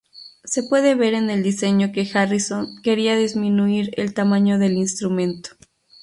Se puede ver en el diseño que Harrison quería disminuir el tamaño del instrumento.